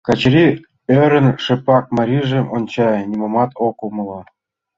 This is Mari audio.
Качырий, ӧрын, шыпак марийжым онча, нимомат ок умыло.